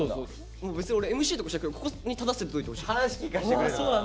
別に俺ＭＣとかしなくてもここに立たせておいてほしい。